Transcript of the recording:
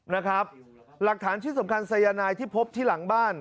นะครับหลักฐานที่สำคัญทรยายนายที่พบที่หลังบ้าน